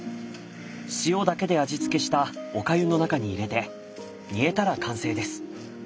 塩だけで味付けしたお粥の中に入れて煮えたら完成です。